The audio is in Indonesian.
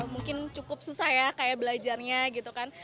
mungkin cukup susah ya kayak belajarnya gitu kan